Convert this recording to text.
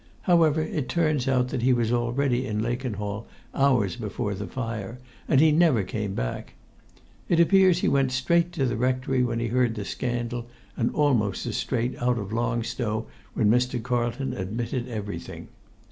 However, it turns out that he was already in Lakenhall hours before the fire, and he never came back. It appears he went straight to the rectory when he heard the scandal, and almost as straight out of Long Stow when Mr. Carlton admitted everything.